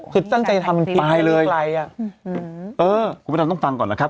คือตั้งใจทำตายเลยอืมเออคุณผู้ชายต้องฟังก่อนนะครับ